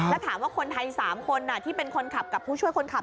แล้วถามว่าคนไทย๓คนที่เป็นคนขับกับผู้ช่วยคนขับ